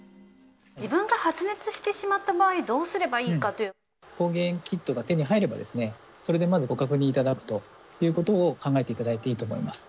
自分が発熱してしまった場合、抗原キットが手に入れば、それでまず、ご確認いただくということを考えていただいていいと思います。